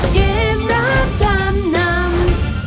เกมรับจำนำ